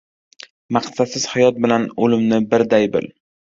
— Maqsadsiz hayot bilan o‘limni birday bil.